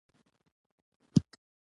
که څوک زمونږ مينځ کې :